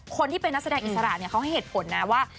คนที่เป็นนักแสดงอิสระเขาให้เหตุผลนะว่า